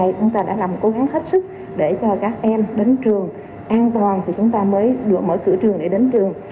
thì chúng ta mới được mở cửa trường để đến trường và ở trường thì phải an toàn